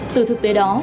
từ thực tế đó